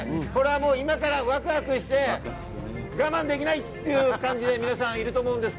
今からワクワクして我慢できないという感じでいると思います。